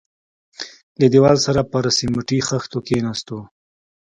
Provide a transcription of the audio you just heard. له دېواله سره پر سميټي خښتو کښېناستو.